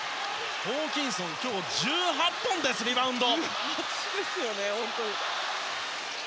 ホーキンソン今日１８本です、リバウンド！